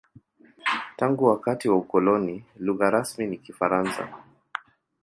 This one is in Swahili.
Tangu wakati wa ukoloni, lugha rasmi ni Kifaransa.